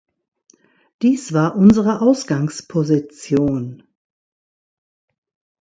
Dies war unsere Ausgangsposition.